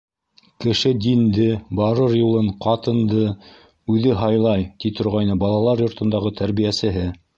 Кеше динде, барыр юлын, ҡатынды үҙе һайлай, ти торғайны балалар йортондағы тәрбиәсеһе.